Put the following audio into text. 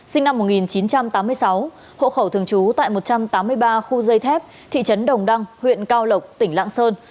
sinh năm một nghìn chín trăm tám mươi sáu hộ khẩu thường trú tại một trăm tám mươi ba khu dây thép thị trấn đồng đăng huyện cao lộc tỉnh lạng sơn